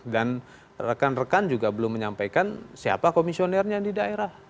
rekan rekan juga belum menyampaikan siapa komisionernya di daerah